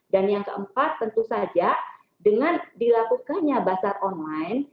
dan yang keempat tentu saja dengan dilakukannya pasar online